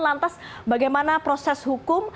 lantas bagaimana proses hukum